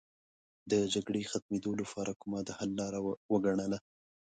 د جګړې ختمېدو لپاره کومه د حل لاره وګڼله.